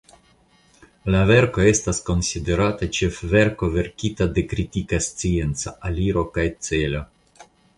La verko estas konsiderata ĉefverko verkita de kritika scienca aliro kaj celo.